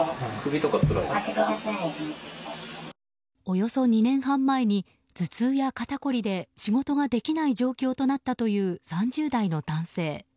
およそ２年半前に頭痛や肩こりで仕事ができない状況となったという３０代の男性。